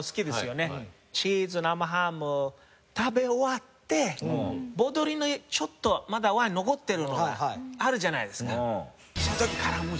チーズ生ハム食べ終わってボトルにちょっとまだワイン残ってるのがあるじゃないですか。